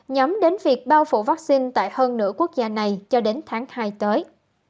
nhắm đến việc bao phủ vaccine tại hơn nửa quốc gia này cho đến tháng hai tới